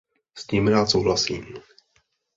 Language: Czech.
S tím rád souhlasím.